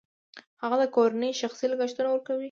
هغه د کورنۍ شخصي لګښتونه ورکوي